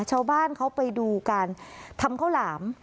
ชาวบ้านเขาไปดูการทำข้าวหลาม